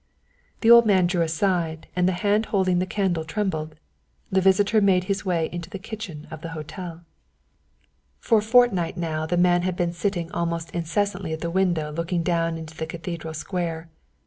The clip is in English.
The old man drew aside, and the hand holding the candle trembled. The visitor made his way into the kitchen of the hotel. For a fortnight now the man had been sitting almost incessantly at the window looking down into the Cathedral Square.